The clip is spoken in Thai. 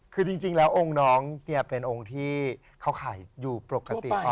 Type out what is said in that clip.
คือจริงแล้วองค์น้องเนี่ยเป็นองค์ที่เขาขายอยู่ปกติ